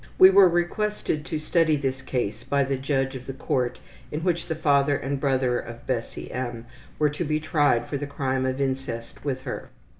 We were requested to study this case by the judge of the court in which the father and brother of Bessie M. were to be tried for the crime of incest with her.